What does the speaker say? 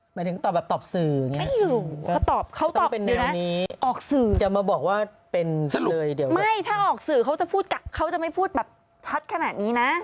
หมายถึงตอบแบบตอบสื่ออย่างนี้ออกสื่อจะมาบอกว่าเป็นซะเลยเดี๋ยวไม่ถ้าออกสื่อเขาจะพูดเขาจะไม่พูดแบบชัดขนาดนี้นะ